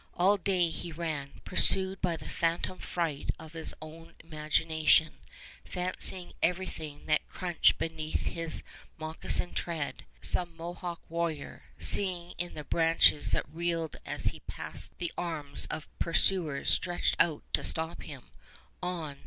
All day he ran, pursued by the phantom fright of his own imagination, fancying everything that crunched beneath his moccasined tread some Mohawk warrior, seeing in the branches that reeled as he passed the arms of pursuers stretched out to stop him; on